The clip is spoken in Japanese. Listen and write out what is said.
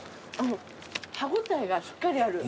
歯応えがしっかりある。